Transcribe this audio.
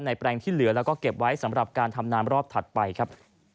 แปลงที่เหลือแล้วก็เก็บไว้สำหรับการทำนามรอบถัดไปครับ